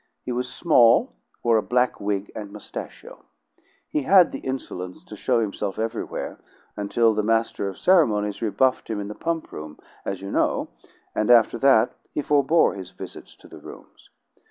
He was small, wore a black wig and mustachio. He had the insolence to show himself everywhere until the Master of Ceremonies rebuffed him in the pump room, as you know, and after that he forbore his visits to the rooms.